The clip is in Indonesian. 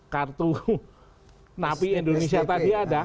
kartu napi indonesia tadi ada